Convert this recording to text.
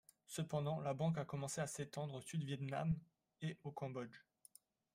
Cependant, la banque a commencé à s'étendre au Sud-Vietnam et au Cambodge.